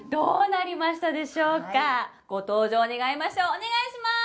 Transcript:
お願いします！